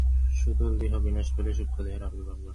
স্থূলদেহ বিনাশ পাইলে সূক্ষ্মদেহের আবির্ভাব ঘটে।